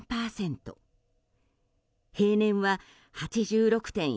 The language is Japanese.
平年は８６．１％。